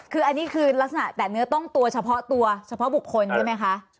คืออันนี้คือลักษณะแต่เนื้อต้องตัวเฉพาะตัวเฉพาะบุคคลใช่ไหมคะ